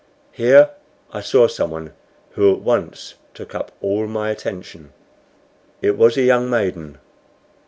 Here I saw someone who at once took up all my attention. It was a young maiden.